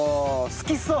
好きそう。